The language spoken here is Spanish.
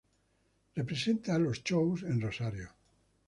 Representa los shows en Rosario